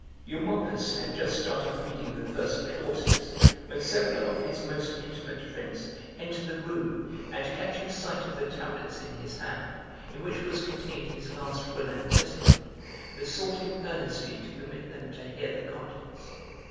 (Eumolpus had just started reading the first clauses when several of his most intimate friends entered the room and catching sight of the tablets in his hand in which was contained his last will and testament, besought him earnestly to permit them to hear the contents.